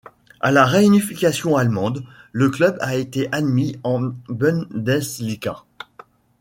À la réunification allemande, le club a été admis en Bundesliga.